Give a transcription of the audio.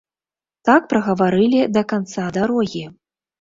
Так прагаварылі да канца дарогі.